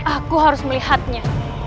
aku harus melihatnya